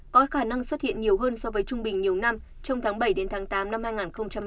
có khả năng xuất hiện nhiều hơn so với trung bình nhiều năm trong tháng bảy tám hai nghìn hai mươi bốn